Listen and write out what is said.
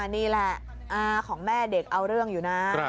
นี่แหละอาของแม่เด็กเอาเรื่องอยู่นะ